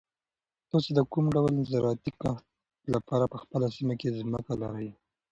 تاسو د کوم ډول زراعتي کښت لپاره په خپله سیمه کې ځمکه لرئ؟